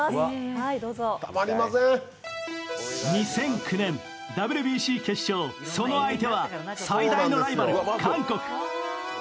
２００９年、ＷＢＣ決勝、その相手は最大のライバル・韓国。